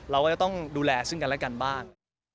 เราก็จะต้องดูแลซึ่งกันและกันบ้าง